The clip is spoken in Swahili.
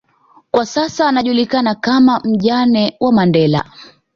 kwa sasa anajulikana kama mjane wa Mandela